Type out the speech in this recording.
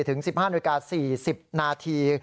ถึง๑๕นาที๔๐นาที